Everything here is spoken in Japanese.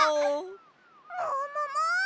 ももも！